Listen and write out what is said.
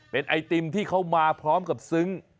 เป็นไอติมที่เขามาพร้อมกับซึ้ง